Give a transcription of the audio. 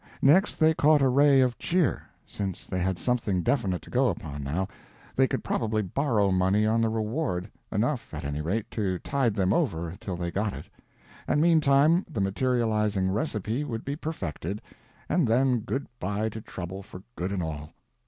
Next, they caught a ray of cheer: since they had something definite to go upon, now, they could probably borrow money on the reward—enough, at any rate, to tide them over till they got it; and meantime the materializing recipe would be perfected, and then good bye to trouble for good and all.